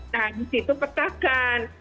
nah di situ petakan